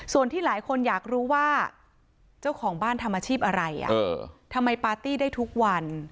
ส่วนที่หลายคนอยากรู้ว่าเจ้าของบ้านทำอาชีพอะไรทำไมปาร์ตี้ได้ทุกวัน